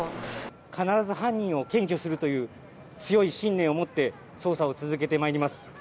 必ず犯人を検挙するという強い信念を持って捜査を続けてまいります。